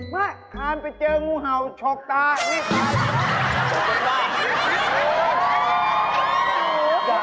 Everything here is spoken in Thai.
คานไปเจองูเห่าฉกตานี่